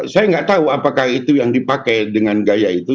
saya nggak tahu apakah itu yang dipakai dengan gaya itu